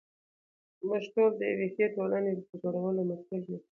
موږ ټول د یوې ښې ټولنې د جوړولو مسوول یو.